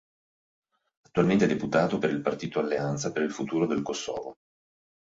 Attualmente è deputato per il partito Alleanza per il Futuro del Kosovo.